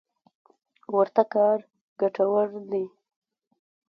ورته کار ګټور دی.